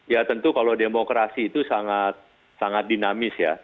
ya tentu kalau demokrasi itu sangat dinamis ya